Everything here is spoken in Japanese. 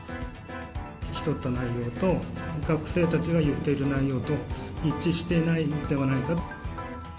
聞き取った内容と、学生たちが言ってる内容と、一致していないのではないかと。